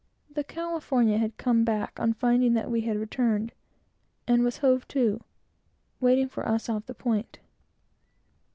The California had come back on finding that we had returned, and was hove to, waiting for us, off the point.